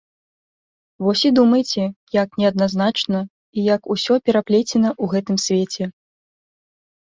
Вось і думайце, як неадназначна і як усё пераплецена ў гэтым свеце!